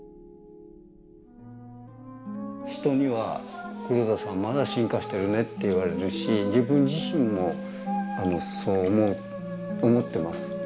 人には「黒田さんまだ進化してるね」って言われるし自分自身もそう思ってます。